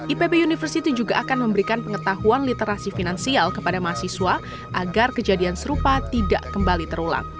ipb university juga akan memberikan pengetahuan literasi finansial kepada mahasiswa agar kejadian serupa tidak kembali terulang